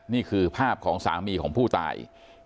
นี่คือภาพของสามีของผู้ตาย